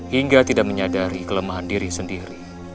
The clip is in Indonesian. hingga tidak menyadari kelemahan diri sendiri